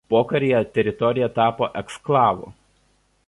Pokaryje teritorija tapo eksklavu.